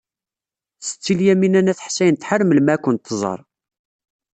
Setti Lyamina n At Ḥsayen tḥar melmi ara kent-tẓer.